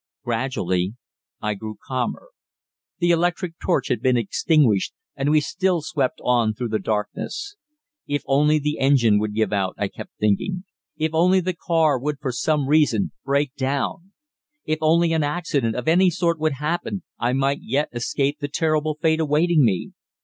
Gradually I grew calmer. The electric torch had been extinguished and we still swept on through the darkness. If only the engine would give out, I kept thinking; if only the car would for some reason break down; if only an accident of any sort would happen, I might yet escape the terrible fate awaiting me.